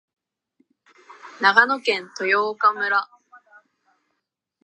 猫